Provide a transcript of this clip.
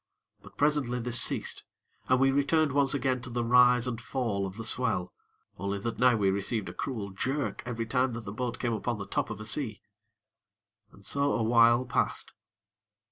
But presently this ceased, and we returned once again to the rise and fall of the swell, only that now we received a cruel jerk every time that the boat came upon the top of a sea. And so a while passed.